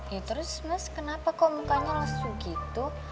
ya terus mas kenapa kok mukanya langsung gitu